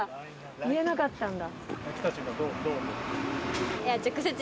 言えなかったんだ。